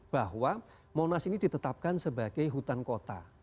bahwa monas ini ditetapkan sebagai hutan kota